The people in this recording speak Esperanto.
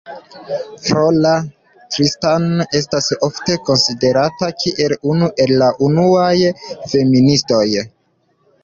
Flora Tristan estas ofte konsiderata kiel unu el la unuaj feministoj.